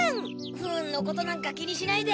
不運のことなんか気にしないで。